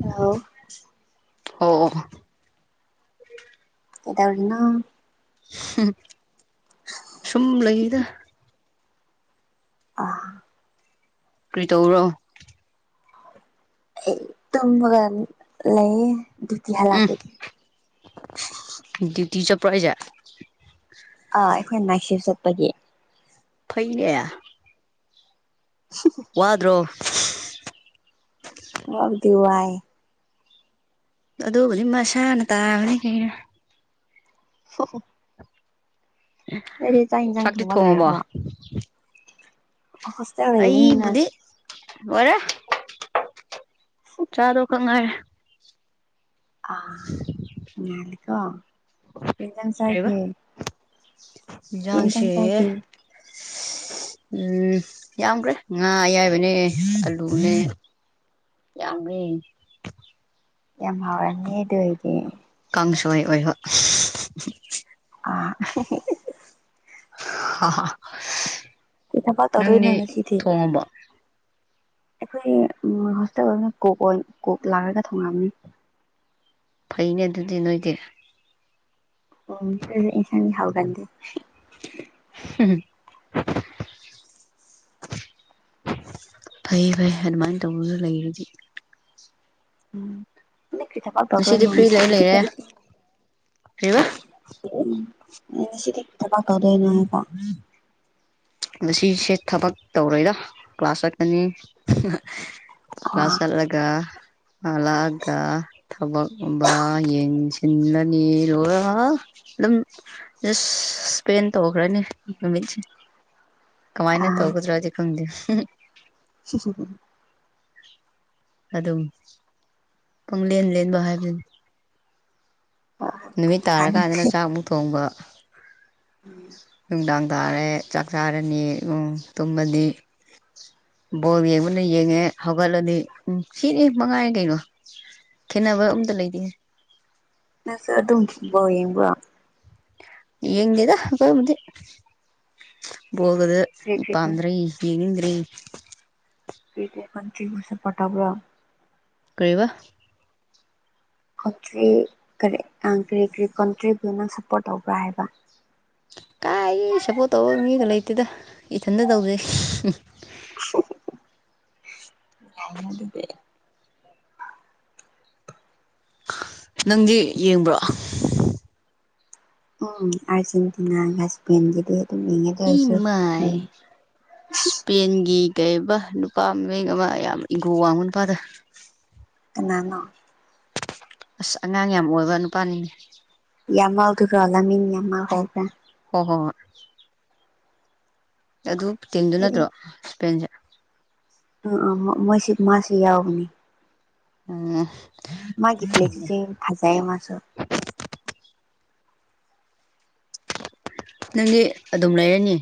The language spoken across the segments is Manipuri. ꯑ ꯑꯣ ꯀꯩꯗꯧꯔꯤꯅꯣ ꯁꯨꯝ ꯂꯩꯗ [unintelligible] ꯀꯔꯤ ꯇꯧꯕꯔꯣ ꯑꯩ ꯇꯨꯝꯃꯒ ꯂꯩꯌꯦ ꯭ꯌꯇꯤ ꯎꯝ ꯍꯥꯂꯕꯒꯤ ꯇꯤ ꯆꯄꯣ ꯍꯥꯏꯁꯦ ꯑꯥ ꯑꯩꯈꯣꯏ ꯅꯥꯏꯁꯤꯞ ꯆꯠꯄꯒꯤ ꯐꯩꯅꯦ ꯋꯥꯗ꯭ꯔꯣ ꯋꯥꯕꯨꯗꯤ [inaudible] ꯑꯗꯨ ꯍꯧꯗꯤ ꯃꯁꯥꯅ ꯇꯥꯕꯅꯦ ꯀꯩꯅꯣ ꯍꯣ ꯅꯗꯤ ꯆꯥꯛ ꯌꯦꯟꯁꯥꯡ ꯆꯥꯛꯇꯤ ꯊꯣꯡꯕ ꯊꯣꯡꯉꯕꯣ ꯂꯩꯏꯔꯕꯣ ꯍꯁ ꯂꯩꯕꯨꯅ ꯔꯦ ꯆꯥꯗꯕꯈꯛ ꯉꯥꯏꯔꯦ [unintelligible] ꯑ ꯑꯥ ꯀꯔꯤꯕ ꯄꯖꯟꯁꯥꯏꯒꯤꯦ [unintelligible] ꯏꯟꯖꯥꯡꯁꯦ ꯄꯅꯁꯥꯡ ꯆꯈꯤ ꯎꯝ ꯌꯥꯝꯈ꯭ꯔꯦ ꯉꯥ ꯑꯌꯥꯏꯕꯅꯦ ꯑꯜꯂꯨꯅꯦ ꯌꯥꯝꯃꯦ ꯌꯥꯝ ꯍꯔꯅꯤ ꯑꯗꯨ ꯍꯗꯤ ꯄꯪꯁꯥꯏ ꯑꯣꯏꯕ [unintelligible] ꯑ ꯏꯊ ꯄ ꯇꯗ ꯏꯅ ꯆ ꯏꯊꯦ ꯑꯩꯈꯣꯏ ꯍꯣꯁꯇꯦꯜ ꯑꯣꯏꯅ ꯀꯣꯛ ꯀꯣꯛ ꯂꯥꯛꯂꯒ ꯊꯣꯡꯉꯑꯕꯅꯤ ꯐꯩꯅꯦ ꯑꯗꯨꯗꯤ ꯅꯣꯏꯗꯤ ꯎ ꯏꯁ ꯍꯥꯎꯒꯥꯟꯗ [unintelligible] ꯎꯝ ꯐꯩ ꯐꯩ ꯑꯗꯨꯃꯥꯏꯅ ꯇꯧꯕꯁꯨ ꯂꯩꯔꯗꯤ ꯎꯝ ꯅꯪ ꯀꯔꯤ ꯊꯕꯛ ꯉꯁꯤꯗꯤ ꯇꯧꯗꯣꯏꯅꯣ ꯐ꯭ꯔꯤ ꯂꯩ ꯉꯁꯤꯗꯤ ꯂꯩꯔꯦ ꯐ꯭ꯔꯤꯕ ꯎꯝ ꯁꯤꯔꯤ ꯑꯗ ꯁꯤꯁꯦ ꯊꯕꯛ ꯇꯧꯔꯣꯏꯔ ꯀ꯭ꯂꯥꯁꯥ ꯆꯠꯀꯅꯤ ꯑꯥ ꯀꯁꯠꯂꯒ ꯑꯂꯑꯒ ꯊꯕꯛꯒꯨꯝꯕ ꯌꯦꯡꯁꯤꯟꯂꯅꯤꯔꯣ ꯑꯗꯨꯝ ꯇꯦꯟ ꯇꯧꯈ꯭ꯔꯅꯤ ꯅꯨꯃꯤꯠꯁꯦ ꯀꯃꯥꯏꯅ ꯇꯧꯒꯗ꯭ꯔꯣꯗꯤ ꯈꯪꯗꯦ ꯎꯝ ꯁꯤꯁꯤ ꯑꯗꯨꯝ ꯄꯨꯡ ꯂꯦꯟ ꯂꯦꯟꯕ ꯍꯥꯏꯕꯅꯤ ꯅꯨꯃꯤꯠ ꯑꯗꯨꯅ ꯐꯔꯦ ꯇꯥꯔꯀꯥꯟꯗꯅ ꯆꯥꯛ ꯃꯨꯛ ꯊꯣꯡꯕ ꯎꯝ ꯅꯨꯡꯗꯥꯡ ꯇꯥꯔꯦ ꯆꯥꯛ ꯆꯥꯔꯅꯤ ꯎꯝ ꯇꯨꯝꯃꯗꯤ ꯕꯣꯜ ꯌꯦꯡꯕꯅ ꯌꯦꯡꯉꯦ ꯍꯧꯒꯠꯂꯗꯤ ꯎꯝ ꯁꯤꯅꯤ ꯃꯉꯥꯏꯔꯦ ꯀꯩꯅꯣ ꯈꯦꯠꯅꯕ ꯑꯝꯇ ꯂꯩꯇꯦ ꯅꯪꯁꯨ ꯑꯗꯨꯝ ꯐꯨꯠꯕꯣꯜ ꯌꯦꯡꯕ꯭ꯔꯣ ꯌꯦꯗꯦꯗ ꯑꯈꯣꯏꯕꯨꯗꯤ ꯕꯣꯜꯒꯗꯣ ꯀꯔꯤ ꯀꯔꯤ ꯀꯔꯤ ꯏꯄꯥꯝꯗ꯭ꯔꯦ ꯌꯦꯡꯗ꯭ꯔꯦ ꯀꯔꯤꯀꯔꯤ ꯀꯟꯇ꯭ꯔꯤꯕꯨ ꯁꯞꯄꯣꯔꯠ ꯇꯧꯕ꯭ꯔꯥ ꯀꯩꯑꯕ ꯀꯣꯟꯇ꯭ꯔꯤ ꯀꯔꯤ ꯀꯔꯤ ꯀꯣꯟꯇ꯭ꯔꯤꯕꯨ ꯅꯪ ꯁꯞꯄꯣꯔꯠ ꯇꯧꯕ꯭ꯔꯥ ꯍꯥꯏꯕ ꯀꯥꯏ ꯁꯞꯄꯣꯔꯠ ꯇꯧꯕ ꯃꯤꯒ ꯂꯩꯇꯦꯗ ꯏꯊꯟꯇ ꯇꯧꯖꯩ ꯌꯥꯏꯅ ꯑꯗꯨꯗꯤ ꯅꯪꯗꯤ ꯌꯦꯡꯕ꯭ꯔꯣ ꯎꯝ ꯑꯔꯖꯦꯟꯇꯤꯅꯥ ꯖꯕꯦꯟꯗꯤ ꯏ ꯃꯥꯏ ꯁ꯭ꯄꯦꯟꯒꯤ ꯀꯩꯕ ꯅꯨꯄꯥ ꯃꯡ ꯑꯃ ꯌꯥꯝ ꯏꯪꯒꯣ ꯋꯥꯡꯕ ꯅꯨꯄꯥꯗ ꯀꯅꯥꯅꯣ ꯑꯁ ꯑꯉꯥꯡ ꯌꯥꯝ ꯑꯣꯏꯕ ꯅꯨꯄꯥꯅꯤꯅꯦ ꯌꯥꯝ [unintelligible] ꯃꯥ ꯍꯣ ꯍꯥꯏꯕ꯭ꯔꯥ [inaudible] ꯑꯗꯨ ꯇꯤꯟꯗꯨ ꯑꯩꯗꯤ ꯅꯠꯇ꯭ꯔꯣ ꯁ꯭ꯄꯦꯟꯁꯦ ꯑ ꯑ ꯃꯣꯏꯁꯤ ꯃꯥꯁꯤ ꯌꯥꯎꯕꯅꯤ ꯎꯝ ꯃꯥꯒꯤ ꯄ꯭ꯂꯦ [unintelligible] ꯐꯖꯥꯏꯌꯦ ꯃꯥꯁꯨ ꯅꯪꯗꯤ ꯑꯗꯨꯝ ꯂꯩꯔꯅꯤ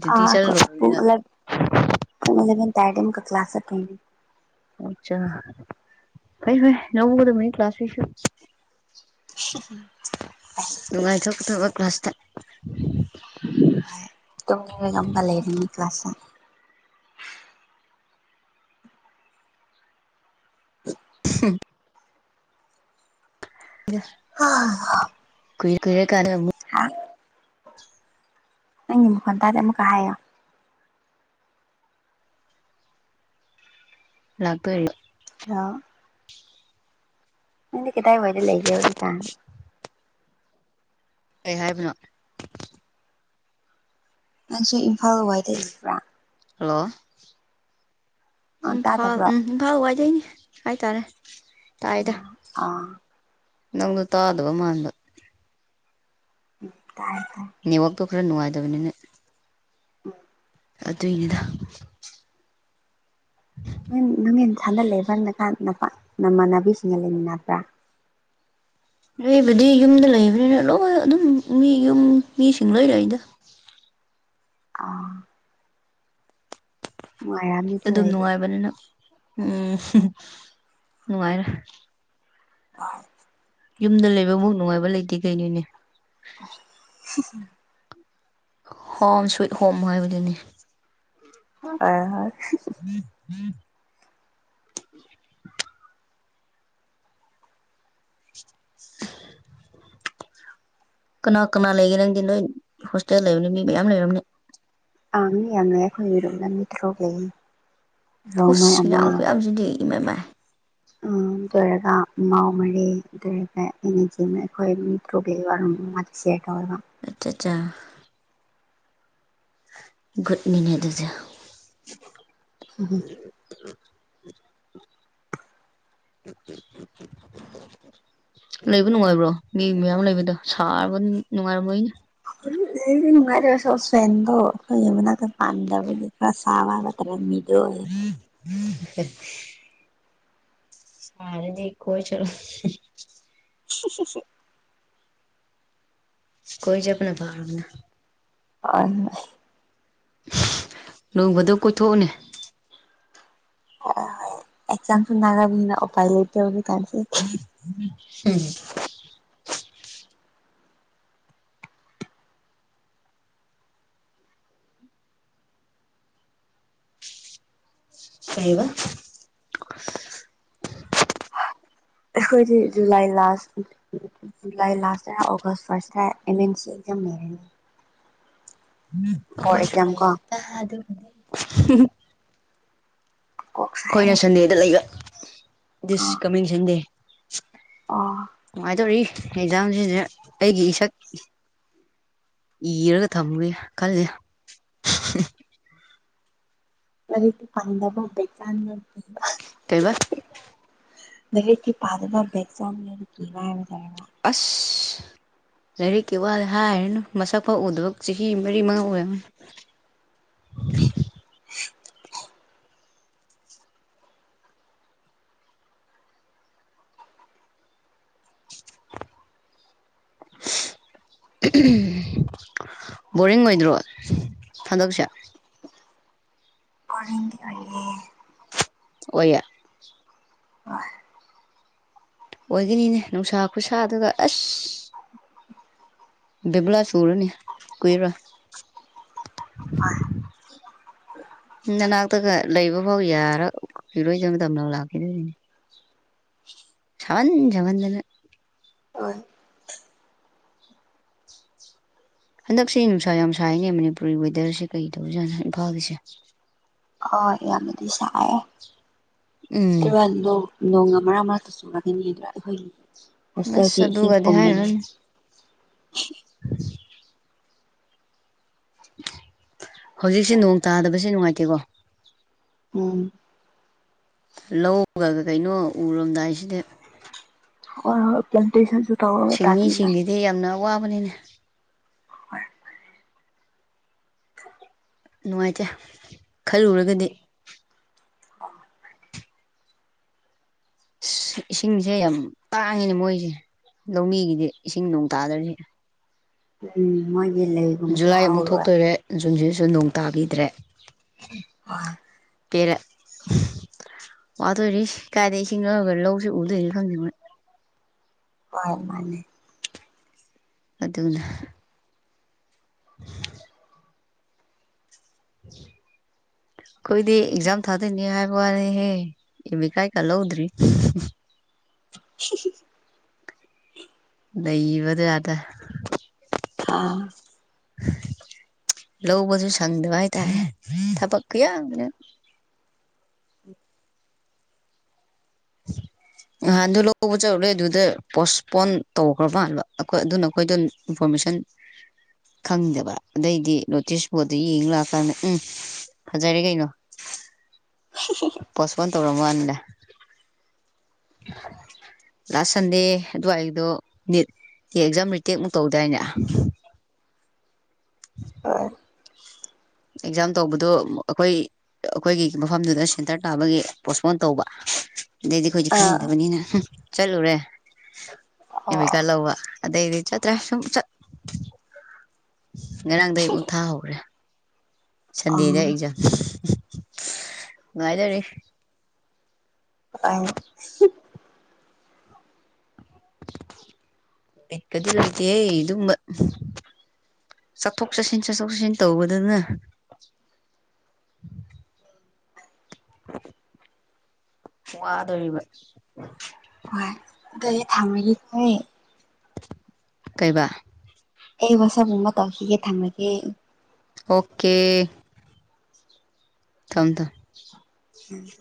ꯗ꯭ꯌꯨꯇꯤ ꯆꯠꯂꯨꯔꯕꯅꯤꯅ ꯑ ꯃ [unintelligible] ꯆꯥ ꯐꯩ ꯐꯩ ꯂꯧꯒꯗꯕꯅꯤ ꯀ꯭ꯂꯥꯁꯁꯤꯁꯨ ꯅꯨꯡꯉꯥꯏꯊꯣꯛꯀꯗꯕ ꯀ꯭ꯂꯥꯁꯇ ꯇꯨꯝꯅꯤꯡꯉꯒ ꯑꯃ ꯂꯩꯕꯅꯤ ꯀ꯭ꯂꯥꯁꯁꯦ [unintelligible] [unintelligible] ꯍꯥ [unintelligible] [unintelligible] ꯑ ꯈ ꯇꯔ ꯑꯃ ꯀ ꯍꯣ ꯂꯥꯛ ꯇꯣꯏꯔꯣ ꯑ ꯅꯪꯗꯤ ꯀꯗꯥꯏꯋꯥꯏꯗ ꯂꯩꯒꯦ ꯍꯧꯖꯤꯛꯀꯥꯥꯟ ꯀꯩ ꯍꯥꯏꯕꯅꯣ ꯅꯪꯁꯨ ꯏꯝꯐꯥꯜ ꯍ ꯋꯥꯏꯗ ꯂꯩꯕ꯭ꯔꯥ ꯍꯜꯂꯣ ꯎ ꯑꯥ ꯐꯥꯜ ꯇꯥꯗꯕ꯭ꯔꯣ ꯏꯝꯐꯥꯜ ꯋꯥꯏ ꯗꯩꯅꯤ ꯍꯥꯏ ꯇꯔꯦ ꯑ ꯑꯥ ꯅꯪꯗꯨ ꯇꯥꯗꯕ ꯃꯥꯥꯟꯗ ꯎꯝ ꯄꯥꯡꯄ ꯅꯦꯠꯋꯥꯛꯇꯣ ꯈꯔ ꯅꯨꯡꯉꯥꯏꯇꯕꯅꯤꯅ ꯎꯝ ꯑꯗꯨꯏꯅꯤꯗ [unintelligible] ꯅꯃꯥꯟꯅꯕꯤꯁꯤꯡꯒ ꯂꯩꯃꯤꯟꯅꯕ꯭ꯔꯥ ꯅꯕꯨꯗꯤ ꯌꯨꯝꯗ ꯂꯩꯕꯅꯤꯅ ꯂꯣꯏ ꯑꯗꯨꯝ ꯃꯤ ꯌꯨꯝ ꯃꯤꯁꯤꯡ ꯂꯣꯏ ꯂꯩꯏꯗ ꯑꯥ ꯅꯨꯡꯉꯥꯏꯔꯝꯅꯤ ꯑꯗꯨ ꯑꯗꯨꯝ ꯑꯣꯏꯔꯗꯤ ꯅꯨꯡꯉꯥꯏꯕꯅꯤꯅ ꯎꯝ ꯅꯨꯡꯉꯥꯏꯔ ꯑ ꯌꯨꯝꯗ ꯂꯩꯕꯃꯨꯛ ꯅꯨꯡꯉꯥꯏꯕ ꯂꯩꯇꯦ ꯀꯩꯅꯩꯅꯣꯅꯦ [inaudible] ꯍꯣꯝ ꯁꯨꯋꯤꯠ ꯍꯣꯝ ꯍꯥꯏꯕꯗꯨꯅꯤ ꯑ ꯀꯅꯥ ꯀꯅꯥ ꯂꯩꯒꯦ ꯅꯪꯗꯤ ꯅꯣꯏ ꯍꯣꯁꯇꯦꯜ ꯂꯩꯕꯅꯤ ꯃꯤ ꯃꯌꯥꯝ ꯂꯩꯔꯝꯅꯤ ꯑꯉ ꯌꯥꯉ ꯑꯩꯈꯣꯏ ꯏꯔꯛꯅ ꯃꯤꯠꯇ꯭ꯔꯣ ꯂꯩꯌꯦ ꯔꯣꯡꯃꯩ ꯀꯁꯤ ꯑꯃ ꯌꯥꯈꯗꯤ ꯀꯕ ꯑꯗꯨ ꯑꯣꯏꯔꯒ ꯏꯃꯎ ꯃꯔꯔꯤꯦ ꯑꯗꯨ ꯑꯣꯏꯔꯒ ꯑꯦꯅꯦꯖꯤ ꯑꯃ ꯑꯩꯈꯣꯏ ꯃꯤ ꯄ꯭ꯔꯣꯕꯒꯤ ꯋꯥꯔꯝ ꯃꯥ ꯁꯤꯦꯌꯔ ꯇꯧꯋꯦꯕ ꯀꯆꯥ ꯠ ꯃꯟꯅꯗꯨꯖ [inaudible] [inaudible] ꯂꯩꯕ ꯅꯨꯡꯉꯥꯏꯕ꯭ꯔꯣ ꯃꯤ ꯃꯌꯥꯝ ꯂꯩꯕꯗꯣ ꯁꯥꯕ ꯅꯨꯡꯉꯥꯏꯔꯝꯃꯣꯏ ꯑꯅꯦ ꯏ ꯃꯥꯔꯁꯁ ꯑꯦꯣꯔ ꯌꯕ ꯄꯥꯟꯗꯕ ꯈ ꯆꯕ ꯇ ꯃꯤꯂꯣ ꯐ ꯁꯔꯦ ꯗꯀꯣ ꯆꯂꯣ ꯑ ꯑ ꯀꯣꯏ ꯆꯕꯅ ꯐꯥꯔꯒꯅ ꯑ ꯂꯣꯏ ꯃꯣ ꯀꯣꯏ ꯊꯣꯛꯎꯅꯦ ꯑꯦꯖꯝꯁꯨ ꯅꯥꯔ꯭ꯃꯤꯅ ꯎꯄꯥꯏ ꯂꯩꯇ ꯎꯝ ꯎꯝ ꯍꯝ ꯀꯕ ꯑꯩꯈꯣꯏꯗꯤ July last July last August first M N C exam ꯂꯩꯔꯅꯤ ꯎꯝ ꯕꯣꯔꯠ ꯀꯣꯏꯁꯨ ꯑꯦꯛꯖꯥꯝ ꯂꯩ ꯀꯣ ꯑꯗꯨꯝ ꯎꯝ ꯀꯣꯛ ꯑꯩꯈꯣꯏꯅ ꯁꯥꯏꯌꯦ ꯁꯟꯗꯦꯗ ꯂꯩꯕ ꯗꯤꯁ ꯑꯥ ꯀꯃꯤ ꯁꯟꯗꯦ ꯑꯥ ꯅꯨꯡꯉꯥꯏꯗꯧꯔꯤ ꯑꯦꯛꯖꯥꯝꯁꯤꯁꯦ ꯑꯩꯒꯤ ꯏꯁꯛ ꯏꯔꯒ ꯊꯝꯃꯨꯒꯦ ꯈꯜꯂꯤ ꯇꯔꯤ ꯄꯥꯟꯗꯕꯨꯄꯦ ꯆ ꯀꯩꯕ ꯀꯤ ꯄꯥꯗꯨꯥ ꯑꯦꯁꯥꯝꯗꯤ ꯀꯥꯦ ꯑꯁ ꯂꯥꯏꯔꯤꯛꯀꯤ ꯋꯥꯗ ꯍꯥꯏꯔꯅꯨ ꯃꯁꯛ ꯐꯎꯗꯕ ꯆꯍꯤ ꯃꯔꯤ ꯃꯉꯥ ꯑꯣꯏꯔꯝꯅꯤ ꯕꯣꯔꯤꯡ ꯑꯣꯏꯗ꯭ꯔꯣ ꯊꯟꯗꯛꯁꯦ ꯀꯔꯗꯤꯕꯦ ꯑꯣ ꯑ ꯑꯣꯏꯒꯤꯅꯤꯅꯦ ꯅꯨꯡꯁꯥ ꯈꯨꯠꯁꯥꯗꯨꯒ ꯑꯁ ꯕꯤꯕꯂ ꯁꯨꯔꯅꯤ ꯀꯣꯏꯔꯕ ꯅꯅꯥꯛꯇꯒ ꯂꯩꯕ ꯐꯥꯎ ꯌꯥꯔ ꯏꯔꯣꯏꯗꯕ ꯃꯇꯝꯗ ꯂꯥꯛꯈꯤꯗꯣꯏꯅꯤ ꯁꯍꯟ ꯁꯥꯍꯟꯗꯅ ꯍ ꯍꯟꯗꯛꯁꯦ ꯅꯨꯡꯁꯥ ꯌꯥꯝ ꯁꯥꯏꯅꯦ ꯃꯅꯤꯄꯨꯔꯒꯤ ꯋꯦꯗꯔꯁꯦ ꯀꯩ ꯇꯧꯔꯤꯖꯥꯠꯅꯣ ꯏꯝꯐꯥꯜꯒꯤꯁꯦ ꯑꯣ ꯌꯥꯝꯅꯗꯤ ꯁꯥꯌꯦ ꯎꯝ ꯀ ꯂꯣꯡ ꯂꯣꯡꯔ ꯑꯃ ꯆꯒꯅꯤꯗ ꯍꯣꯏ ꯑꯁꯥ ꯑꯗꯨꯒꯗꯤꯅꯅꯤ ꯎ [unintelligible] ꯍꯧꯖꯤꯛꯁꯦ ꯅꯣꯡ ꯇꯥꯗꯕꯁꯦ ꯅꯨꯡꯉꯥꯏꯇꯦꯀꯣ ꯎꯝ ꯂꯧꯒꯒ ꯀꯩꯅꯣ ꯎꯔꯝꯗꯥꯏꯁꯤꯗꯤ ꯍꯣꯏ ꯍꯣꯢ ꯄ꯭ꯂꯥꯟꯇꯦꯁꯟꯁꯨ ꯇꯧꯔꯒ ꯇꯥꯅꯤꯅ ꯁꯤꯡꯃꯤꯁꯤꯡꯒꯤꯗꯤ ꯌꯥꯝꯅ ꯋꯥꯕꯅꯤꯅ ꯍꯣꯏ ꯅꯨꯡꯉꯥꯏꯇꯦ ꯈꯜꯂꯨꯔꯒꯗꯤ ꯑ ꯏꯁꯤꯡꯁꯦ ꯌꯥꯝ ꯇꯥꯡꯉꯤꯅꯦ ꯃꯣꯏꯁꯦ ꯂꯧꯃꯤꯒꯤꯗꯤ ꯏꯁꯤꯡ ꯅꯣꯡ ꯇꯥꯗꯧꯔꯤꯁꯦ ꯎꯝ ꯍꯣꯏ ꯖꯨꯂꯥꯏ ꯑꯃꯨꯛ ꯊꯣꯛꯇꯔꯦ ꯖꯨꯟꯁꯤ ꯁꯨ ꯅꯣꯡ ꯇꯥꯕꯤꯗ꯭ꯔꯦ ꯍ ꯄꯦꯔꯦ ꯋꯥꯗꯣꯏꯔꯤ ꯀꯥꯏꯗꯒꯤꯩ ꯏꯁꯤꯡ ꯂꯧꯔꯒ ꯂꯧꯁꯤ ꯎꯗꯣꯏꯁꯤ ꯈꯪꯗꯕꯣꯏ ꯍꯣꯏ ꯃꯥꯅꯦ ꯑꯗꯨꯅ ꯎ ꯑꯩꯈꯣꯏꯗꯤ ꯑꯦꯛꯖꯥꯝ ꯊꯥꯗꯣꯏꯅꯦ ꯍꯥꯏꯕ ꯋꯥꯅꯤꯍꯦ ꯏꯚ ꯀꯥꯏ ꯀꯥ ꯂꯧꯗ꯭ꯔꯤ [unintelligible] ꯂꯩꯩꯕꯗ ꯌꯥꯗ ꯍꯥꯥ ꯂꯕꯨ ꯁꯪꯗꯋꯥꯏ ꯇꯥꯏꯦ ꯊꯄꯛ ꯑꯍꯥꯟ ꯑꯗꯨ ꯂꯧꯕ ꯆꯔꯨꯛ ꯂꯩꯣꯏ ꯑꯗꯨꯗ ꯄꯣꯁꯄꯣꯟ ꯇꯧꯈ꯭ꯔ ꯃꯥꯟꯕ ꯑꯩꯈꯣꯏ ꯑꯗꯨꯅ ꯑꯩꯈꯣꯏꯗ ꯏꯟꯐꯣꯔꯃꯦꯁꯟ ꯈꯪꯗꯕ ꯑꯗꯩꯗꯤ ꯅꯣꯇꯤꯁ ꯕꯣꯔꯠꯇ ꯌꯦꯡ ꯂꯥꯛꯑꯀꯥꯟꯗ ꯎꯝ ꯐꯖꯔꯦ ꯀꯩꯅꯣ ꯄꯆꯄꯟ ꯇꯔ ꯋꯥꯅꯤꯗ ꯂꯥꯁ ꯁꯟꯗꯦ ꯑꯗꯨꯋꯥꯏꯗꯣ ꯅꯤꯠ ꯑꯦꯛꯖꯥꯝ ꯔꯤꯇꯦꯛꯃꯨꯛ ꯇꯧꯗꯥꯏꯅꯦ ꯑꯥ ꯑꯦꯛꯖꯥꯝ ꯇꯧꯕꯗꯨ ꯑꯩꯈꯣꯏ ꯑꯩꯈꯣꯏꯒꯤ ꯃꯐꯝꯗꯨꯗ ꯁꯦꯟꯇꯔ ꯇꯥꯕꯒꯤ ꯄꯣꯁꯄꯣꯟ ꯇꯧꯕ ꯑꯗꯨꯗꯤ ꯈꯣꯖꯤ ꯑꯥ ꯐꯗꯕꯅꯤꯅ ꯆꯠꯂꯨꯨꯔꯦ ꯍꯣꯏ ꯑꯥ ꯑꯦꯃꯤꯀꯂ ꯋꯥ ꯑꯗꯩꯕ ꯆ ꯑꯥꯁꯝ ꯆ ꯉꯔꯥꯡꯗꯒꯤ ꯑꯃꯨꯛ ꯊꯥꯍꯧꯔꯦ ꯁꯟꯗꯦꯗ ꯍꯣꯏ ꯑꯦꯛꯖꯥꯝ ꯉꯅꯨꯡꯥꯏ ꯇꯧꯔꯤ ꯑ ꯠꯀꯗꯤ ꯂꯩꯇꯦ ꯑꯩ ꯑꯗꯨꯝꯕ ꯆꯠꯊꯣꯛ ꯆꯠꯁꯤꯟ ꯆꯠꯊꯣꯛ ꯆꯠꯁꯤꯟ ꯇꯧꯕꯗꯅ ꯋꯥꯗꯣꯔꯤꯕ ꯍꯣꯏ ꯏꯦ ꯊꯥꯡꯝꯕꯒꯤꯦ ꯀꯩꯕꯥꯥꯛ ꯑꯩ ꯋꯥꯁꯒꯨꯝꯕ ꯇꯧꯈꯤꯒꯦ ꯊꯥꯡꯅꯒꯦ ꯑꯣꯀꯦ ꯊꯣꯝꯗ ꯎꯝ